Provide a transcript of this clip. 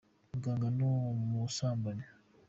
Muganga ni umusambanyi.